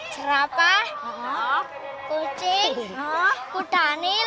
serapa kucing kutanil